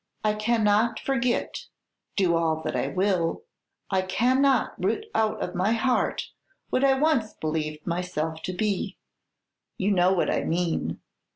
I cannot forget, do all that I will, I cannot root out of my heart what I once believed myself to be. You know what I mean.